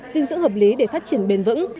dinh dưỡng hợp lý để phát triển bền vững